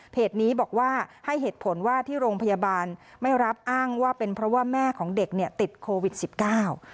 นี้บอกว่าให้เหตุผลว่าที่โรงพยาบาลไม่รับอ้างว่าเป็นเพราะว่าแม่ของเด็กเนี่ยติดโควิดสิบเก้า